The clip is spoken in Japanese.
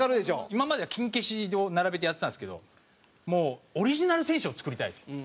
今まではキン消しを並べてやってたんですけどもうオリジナル選手を作りたいと。